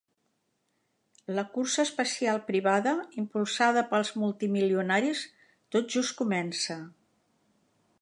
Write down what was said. La cursa espacial privada, impulsada pels multimilionaris, tot just comença.